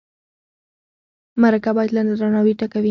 مرکه باید له درناوي ډکه وي.